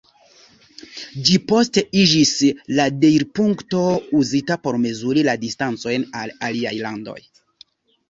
Ĝi poste iĝis la deirpunkto uzita por mezuri la distancojn al aliaj landoj.